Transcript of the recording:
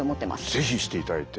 是非していただいて。